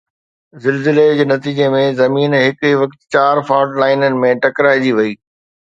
زلزلي جي نتيجي ۾ زمين هڪ ئي وقت چار فالٽ لائينن ۾ ٽڪرائجي وئي.